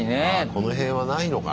この辺はないのか。